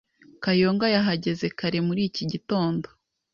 Kayonga yahageze kare muri iki gitondo.